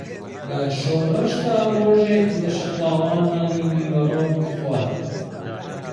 لە شۆڕشدا ڕۆژێک لە شەقڵاوە نانی نیوەڕۆم خوارد